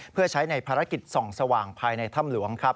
เพื่อใช้ในภารกิจส่องสว่างภายในถ้ำหลวงครับ